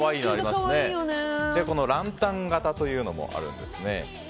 ランタン型というのもあるんですね。